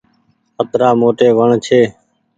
اترآ موٽي وڻ ڇي